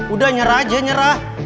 udah nyerah aja nyerah